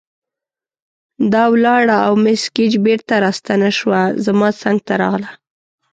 دا ولاړه او مس ګېج بیرته راستنه شوه، زما څنګ ته راغله.